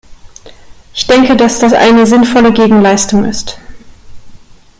Ich denke, dass das eine sinnvolle Gegenleistung ist.